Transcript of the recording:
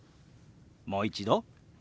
もう一度。